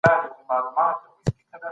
د جرم پېژندنه د پولیسو لخوا ترسره کېږي.